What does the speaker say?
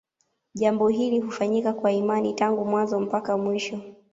Jambo hili hufanyika kwa imani tangu mwanzo mpaka mwisho